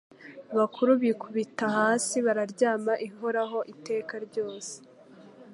bakuru bikubita hasi baramya ihoraho iteka ryose